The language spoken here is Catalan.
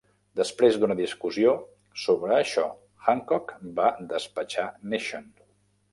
Després d'una discussió sobre això, Hancock va despatxar Nation.